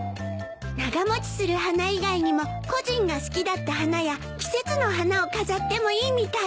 長持ちする花以外にも故人が好きだった花や季節の花を飾ってもいいみたい。